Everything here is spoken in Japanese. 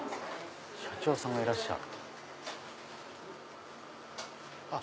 社長さんがいらっしゃるんだ。